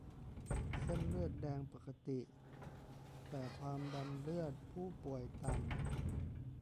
เส้นเลือดแดงปกติ แต่ความดันเลือดผู้ป่วยต่ำ